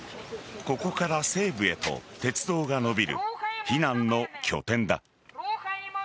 ここから西部へと鉄道が延びる避難の拠点だ。